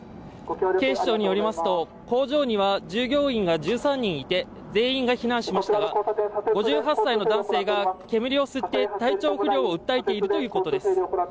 警視庁によりますと工場には従業員が１３人いて全員が避難しましたが５８歳の男性が煙を吸って体調不良を訴えているということです